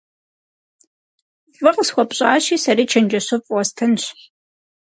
Фӏы къысхуэпщӏащи, сэри чэнджэщыфӏ уэстынщ.